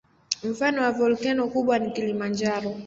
Mfano wa volkeno kubwa ni Kilimanjaro.